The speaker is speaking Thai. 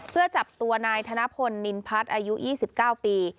เพื่อจับตัวนายธนพลนินพัฒน์อายุ๒๙ปี